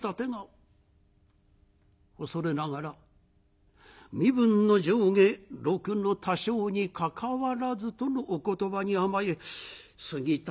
「恐れながら身分の上下禄の多少にかかわらずとのお言葉に甘え杉立